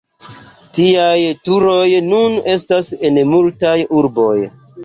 Tiaj turoj nun estas en multaj urboj.